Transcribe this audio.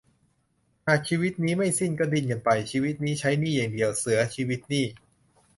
หากชีวิตนี้ไม่สิ้น ก็ดิ้นกันไป ชีวิตนี้ใช้หนี้อย่างเดียว เสือ - ชีวิตหนี้